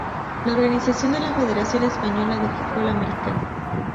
La organiza la Federación Española de Fútbol Americano.